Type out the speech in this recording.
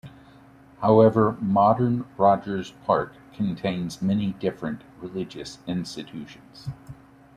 However, modern Rogers Park contains many different religious institutions.